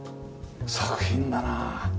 作品だなあ。